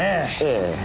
ええ。